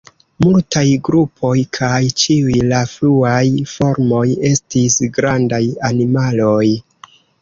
Multaj grupoj, kaj ĉiuj la fruaj formoj, estis grandaj animaloj.